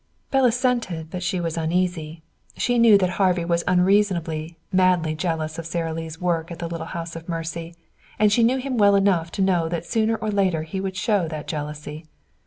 Belle assented, but she was uneasy. She knew that Harvey was unreasonably, madly jealous of Sara Lee's work at the little house of mercy, and she knew him well enough to know that sooner or later he would show that jealousy.